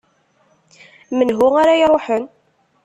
Menhu ara iruḥen?